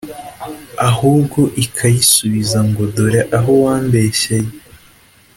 , ahubwo ikayisubiza ngo dore aho wambeshyeye,